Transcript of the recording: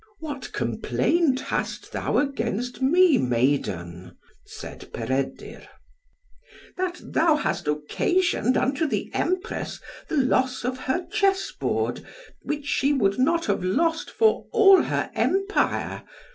"What complaint hast thou against me, maiden?" said Peredur. "That thou hast occasioned unto the Empress the loss of her chessboard, which she would not have lost for all her empire.